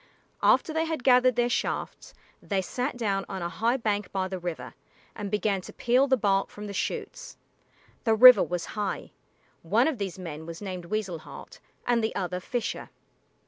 After they had gathered their shafts, they sat down on a high bank by the river and began to peel the bark from the shoots. The river was high. One of these men was named Weasel Heart and the other Fisher.